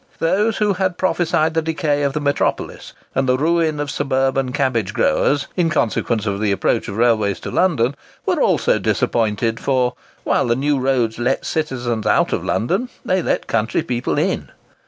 Those who had prophesied the decay of the metropolis, and the ruin of the suburban cabbage growers, in consequence of the approach of railways to London, were also disappointed; for, while the new roads let citizens out of London, they let country people in.